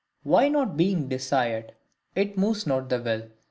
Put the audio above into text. Why not being desired, it moves not the Will.